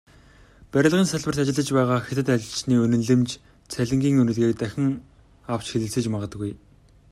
Барилгын салбарт ажиллаж байгаа хятад ажилчны үнэлэмж, цалингийн үнэлгээг дахин авч хэлэлцэж магадгүй.